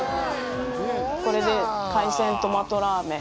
これで海鮮トマトラーメン